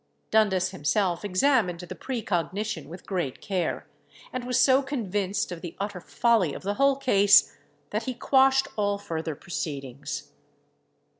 Dundas himself examined the precognition with great care, and was so convinced of the utter folly of the whole case, that he quashed all further proceedings.